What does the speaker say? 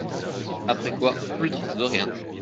Après quoi, plus trace de rien.